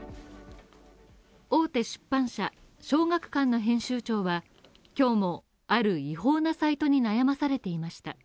大手出版社、小学館の編集長は、今日もある違法なサイトに悩まされていました